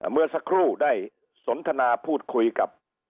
เมื่อสักครู่ได้สนทนาพูดคุยกับ